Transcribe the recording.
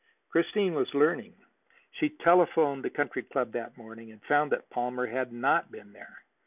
Christine was learning. She telephoned the Country Club that morning, and found that Palmer had not been there.